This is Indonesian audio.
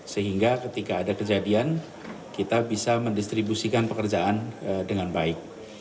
sehingga ketika ada kejadian kita bisa mendistribusikan pekerjaan dengan baik